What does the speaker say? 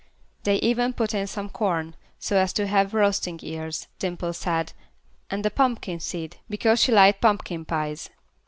They even put in some corn, so as to have roasting ears, Dimple said, and a pumpkin seed, because she liked pumpkin pies.